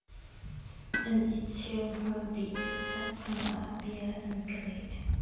An i cheihhmai dih cikcek hnu ah bia an kan leh.